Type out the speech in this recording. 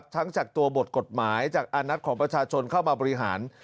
จากตัวบทกฎหมายจากอานัดของประชาชนเข้ามาบริหาร